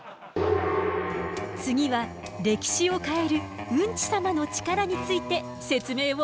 次は歴史を変えるウンチ様の力について説明をお願い。